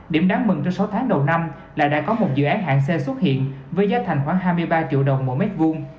điểm đáng mừng trong sáu tháng đầu năm là đã có một dự án hạng c xuất hiện với giá thành khoảng hai mươi ba triệu đồng mỗi mét vuông